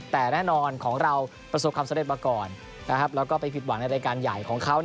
แต่แน่นอนของเราประสบความสำเร็จมาก่อนแล้วก็ไปผิดหวังในรายการใหญ่ของเขา